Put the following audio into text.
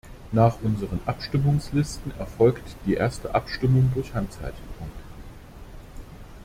Nach unseren Abstimmungslisten erfolgte die erste Abstimmung durch Handzeichen.